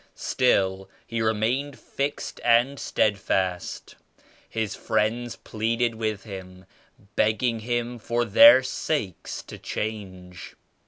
Still he remained fixed and steadfast. His friends pleaded with him, begging him for their sakes to change.